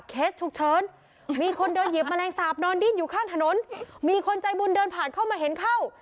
ฉุกเฉินมีคนเดินหยิบแมลงสาปนอนดิ้นอยู่ข้างถนนมีคนใจบุญเดินผ่านเข้ามาเห็นเข้า